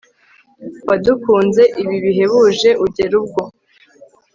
wadukunze ibi bihebuje, ugera ubwo